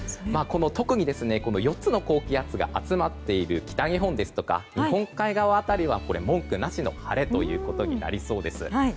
特に４つの高気圧が集まっている北日本ですとか日本海側辺りは文句なしの晴れとなりそうです。